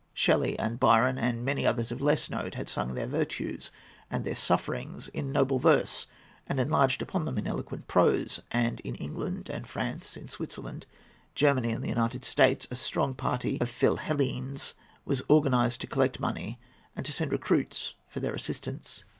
Shelley and Byron, and many others of less note, had sung their virtues and their sufferings in noble verse and enlarged upon them in eloquent prose, and in England and France, in Switzerland, Germany, and the United States, a strong party of Philhellenes was organized to collect money and send recruits for their assistance.